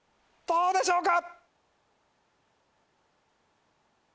どうでしょうか？